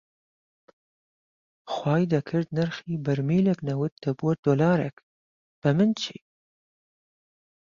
خوای دەکرد نرخی بەرمیلێک نەوت دەبووە دۆلارێک، بەمن چی